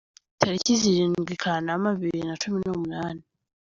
Tariki zirindwi Kanama bibiri na cumi n’umunani